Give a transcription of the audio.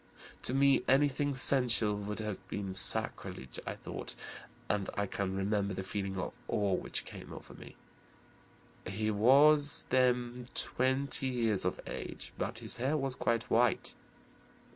To me anything sensual would have been sacrilege, I thought, and I can remember the feeling of awe which came over me. He was them 20 years of age, but his hair was quite white.